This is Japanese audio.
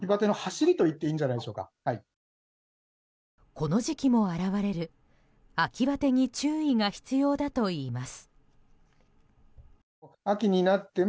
この時期も現れる秋バテにも注意が必要だといいます。